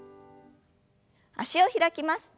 脚を開きます。